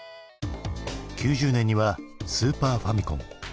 ９０年にはスーパーファミコン。